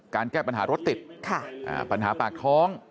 การแก้ปัญหารถติดค่ะอ่ะปัญหาปากท้อง